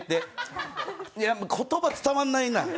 言葉伝わらないな。